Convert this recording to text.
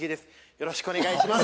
よろしくお願いします。